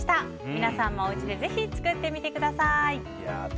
皆さんもぜひ、おうちで作ってみてください。